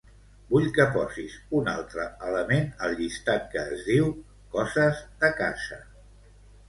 Vull que posis un altre element al llistat que es diu "coses de casa".